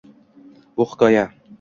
Bu hikoya.